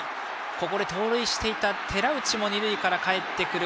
ここで盗塁していた寺内が二塁からかえってくる。